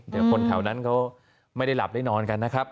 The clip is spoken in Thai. แต่คนแถวนั้นเขาไม่ได้หลับได้นอนกันนะครับ